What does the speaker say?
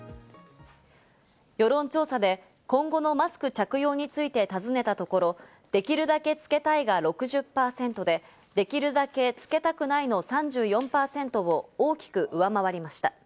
世論調査で今後のマスク着用についてたずねたところ、できるだけ着けたいが６０％で、できるだけ着けたくないの３４％を大きく上回りました。